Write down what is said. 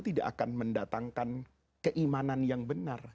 tidak akan mendatangkan keimanan yang benar